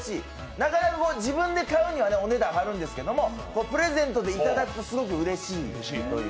なかなか自分で買うにはお値段張るんですけどプレゼントでいただくとすごくうれしいという。